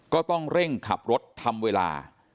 ก็ต้องเร่งขับรถทำเวลา